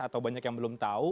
atau banyak yang belum tahu